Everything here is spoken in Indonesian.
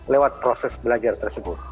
lewat proses belajar tersebut